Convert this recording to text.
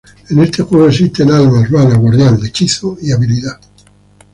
En este juego existen Almas bala, guardian, hechizo y habilidad.